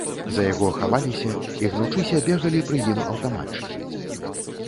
За яго хаваліся і, гнучыся, бегалі пры ім аўтаматчыкі.